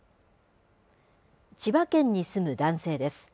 千葉県に住む男性です。